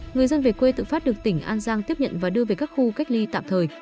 người dân về quê tự phát được tỉnh an giang tiếp nhận và đưa về các khu cách ly tạm thời